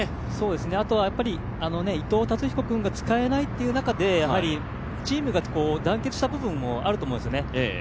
あとは伊藤達彦君が使えないという中でチームが団結した部分もあると思うんですよね。